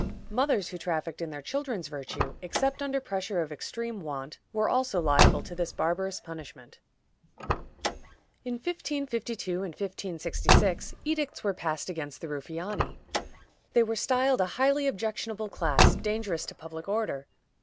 Mothers who trafficked in their children's virtue, except under pressure of extreme want, were also liable to this barbarous punishment. In 1552 and 1566, edicts were again passed against the Ruffiani. They were styled a highly objectionable class, dangerous to public order.